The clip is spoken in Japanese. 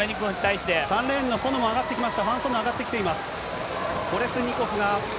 ３レーンのソヌが上がってきました。